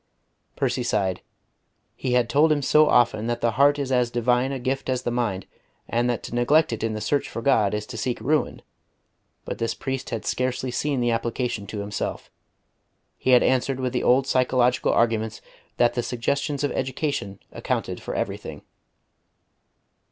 Percy sighed. He had told him so often that the heart is as divine a gift as the mind, and that to neglect it in the search for God is to seek ruin, but this priest had scarcely seen the application to himself. He had answered with the old psychological arguments that the suggestions of education accounted for everything.